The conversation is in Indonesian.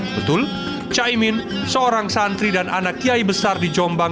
betul caimin seorang santri dan anak kiai besar di jombang